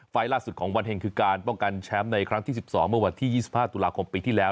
ล่าสุดของวันแห่งคือการป้องกันแชมป์ในครั้งที่๑๒เมื่อวันที่๒๕ตุลาคมปีที่แล้ว